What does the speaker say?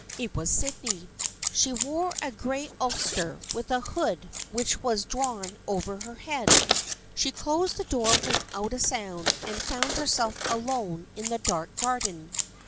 It was Sydney. She wore a gray ulster with a hood which was drawn over her head. She closed the door with out a sound and found herself alone in the dark garden.